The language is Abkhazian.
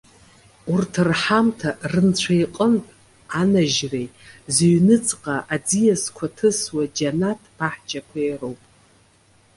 Урҭ рҳамҭа рынцәа иҟынтә анажьреи, зыҩныҵҟа аӡиасқәа ҭысуа џьанаҭ баҳчақәеи роуп.